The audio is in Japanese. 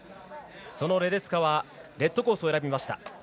そのレデツカはレッドコースを選びました。